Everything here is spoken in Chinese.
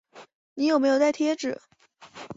你有没有带贴纸